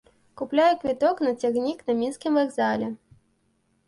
Купляю квіток на цягнік на мінскім вакзале.